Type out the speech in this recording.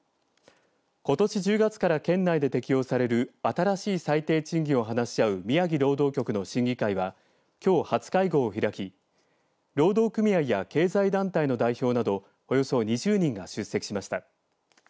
ことし１０月から県内で適用される新しい最低賃金を話し合う宮城労働局の審議会はきょう、初会合を開き労働組合や経済団体の代表などおよそ２０人が出席しました。